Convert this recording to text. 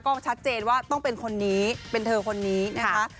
ก็ชัดเจนว่าต้องเป็นคนนี้เป็นเธอคนนี้นะคะ